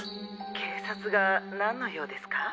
警察が何の用ですか？